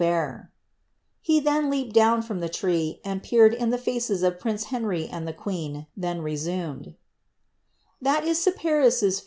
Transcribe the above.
'iir," He then leaped down from the tree, and peered in the faces of p Henry and tlie queen ; then resumed — "Tlial is Cypatisfiis' tMO.